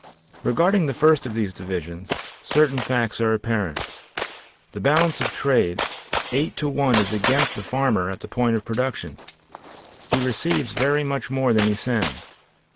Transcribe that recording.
Regarding the first of these divisions, certain facts are apparent. The balance of trade, eight to one is against the farmer at the point of production; he receives very much more than he sends.